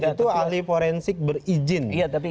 itu ahli forensik berizin